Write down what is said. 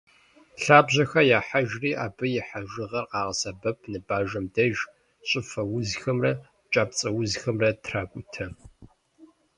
Лъабжьэхэр яхьэжри, абы и хьэжыгъэр къагъэсэбэп ныбажэм деж, щӏыфэ узхэмрэ кӏапцӏэузхэмрэ тракӏутэ.